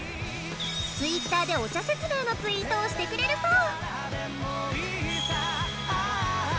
Ｔｗｉｔｔｅｒでお茶説明のツイートをしてくれるそう！